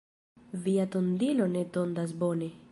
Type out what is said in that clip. Via tondilo ne tondas bone.